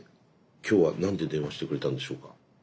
今日は何で電話してくれたんでしょうか。